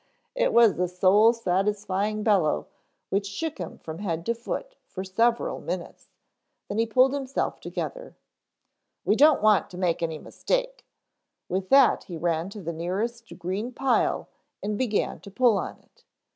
It was a soul satisfying bellow which shook him from head to foot for several minutes, then he pulled himself together. "We don't want to make any mistake." With that he ran to the nearest green pile and began to pull on it.